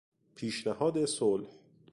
پیشنهاد صلح